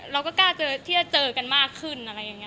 เราก็กล้าเจอกันมากขึ้น